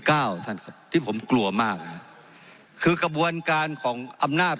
ท่านครับที่ผมกลัวมากนะฮะคือกระบวนการของอำนาจ